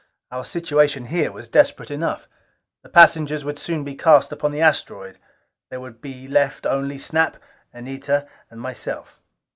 Our situation here was desperate enough. The passengers soon would be cast upon the asteroid: there would be left only Snap, Anita and myself.